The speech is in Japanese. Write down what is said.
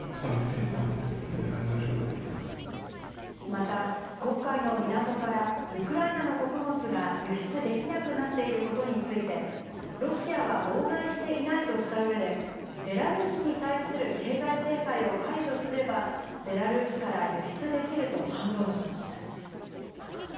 また、黒海の港からウクライナの穀物が輸出できなくなっていることについて、ロシアは妨害していないとしたうえで、ベラルーシに対する経済制裁を解除すれば、ベラルーシから輸出できると反論しました。